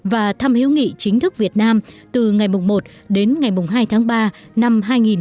và thăm hiếu nghị chính thức việt nam từ ngày một đến ngày hai tháng ba năm hai nghìn hai mươi